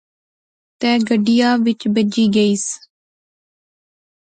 تہ گڈیا وچ بہجی گئیس